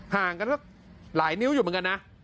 ห่างกันสักหลายนิ้วอยู่เหมือนกันนะ